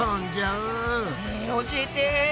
え教えて！